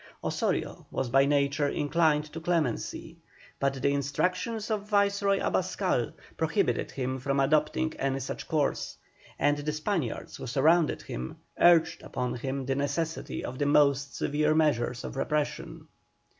Osorio was by nature inclined to clemency, but the instructions of Viceroy Abascal prohibited him from adopting any such course, and the Spaniards who surrounded him urged upon him the necessity of the most severe measures of repression.